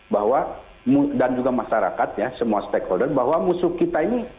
bahwa dan juga masyarakat ya semua stakeholder bahwa musuh kita ini